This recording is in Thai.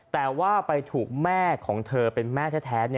แต่ว่าไปถูกแม่ของเธอเป็นแม่แท้